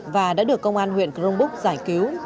và đã được công an huyện cronbúc giải cứu